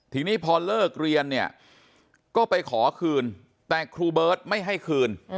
ทีนี้พอเลิกเรียนเนี่ยก็ไปขอคืนแต่ครูเบิร์ตไม่ให้คืน